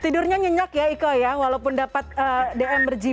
tidurnya nyenyak ya ikoi ya walaupun dapat dm berjilat